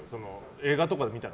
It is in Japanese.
映画とか見たら。